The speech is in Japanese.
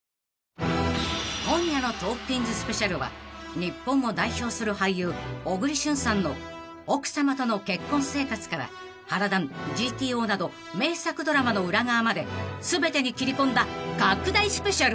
［今夜の『トークィーンズ』ＳＰは日本を代表する俳優小栗旬さんの奥さまとの結婚生活から『花男』『ＧＴＯ』など名作ドラマの裏側まで全てに切り込んだ拡大ＳＰ］